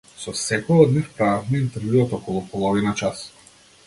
Со секој од нив правевме интервју од околу половина час.